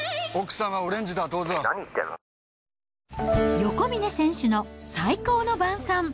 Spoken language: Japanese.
横峯選手の最高の晩さん。